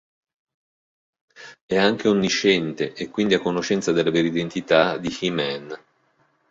È anche onnisciente, e quindi a conoscenza della vera identità di He-Man.